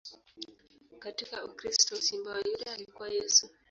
Katika ukristo, Simba wa Yuda alikuwa Yesu.